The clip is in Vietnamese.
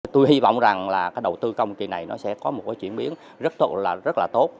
tôi hy vọng rằng đầu tư công kỳ này sẽ có một chuyển biến rất tốt